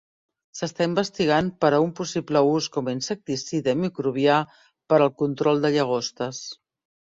S'està investigant per a un possible ús com a insecticida microbià per al control de llagostes.